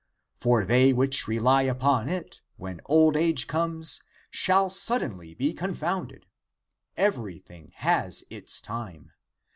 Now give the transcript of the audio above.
For they which rely upon it, when old age comes, shall suddenly be confounded. Every thing has its time.